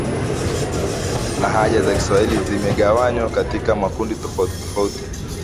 Lahaja za Kiswahili zimegawanywa katika makundi tofauti tofauti